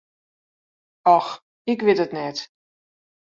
Och, ik wit it net.